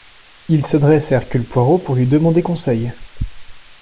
Il s'adresse à Hercule Poirot pour lui demander conseil.